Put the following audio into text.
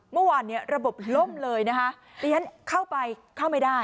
เมื่อวานเนี่ยระบบล่มเลยนะคะดิฉันเข้าไปเข้าไม่ได้